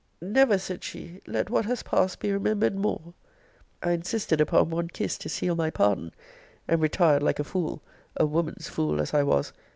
Never, said she, let what has passed be remembered more! I insisted upon one kiss to seal my pardon and retired like a fool, a woman's fool, as I was!